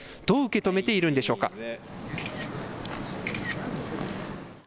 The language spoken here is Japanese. どう受け止めているんでしょうか。